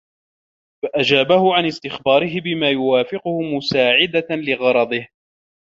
فَأَجَابَهُ عَنْ اسْتِخْبَارِهِ بِمَا يُوَافِقُهُ مُسَاعِدَةً لِغَرَضِهِ